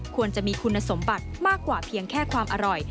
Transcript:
ควรจะมีคุณสมบัติมากกว่าเพียงแค่ความอร่อย